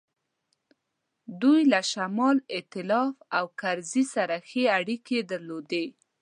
دوی له شمال ایتلاف او حامد کرزي سره ښې اړیکې درلودې.